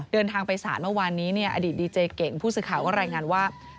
เดินทางไปศาลเมื่อวานนี้อดีตดีเจเก่งผู้สื่อข่าวก็รายงานว่า